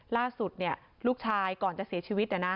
ล่าสุดลูกชายก่อนจะเสียชีวิต